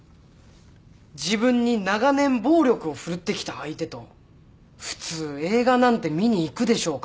自分に長年暴力を振るってきた相手と普通映画なんて見に行くでしょうか？